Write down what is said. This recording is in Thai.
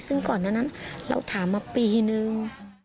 ซึ่งก่อนนั้นเราถามมาปีนึง